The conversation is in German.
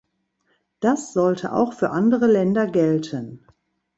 Das sollte auch für andere Länder gelten.